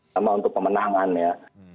sama untuk pemenangan ya